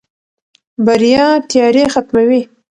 بریا تیارې ختموي.